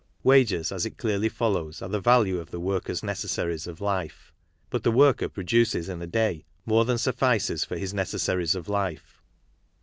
Wages, as it clearly follows7are"the value of the' worker's necessaries of life. But the worker produces in a day more than suffices for his necessaries of life.